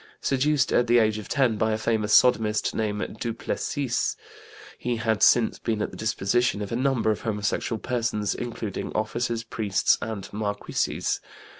Seduced at the age of 10 by a famous sodomist named Duplessis, he had since been at the disposition of a number of homosexual persons, including officers, priests, and marquises.